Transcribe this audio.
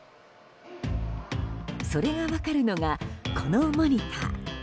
それが分かるのがこのモニター。